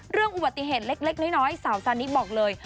เรื่องอุบัติเหตุเล็กน้อยสาวซานิสบอกเลย